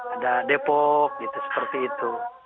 ada depok seperti itu